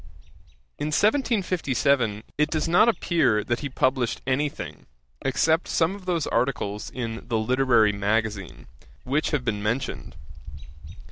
In 1757 it does not appear that he published any thing, except some of those articles in The Literary Magazine, which have been mentioned.